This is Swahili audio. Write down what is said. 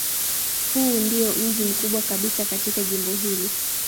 Huu ndiyo mji mkubwa kabisa katika jimbo hili.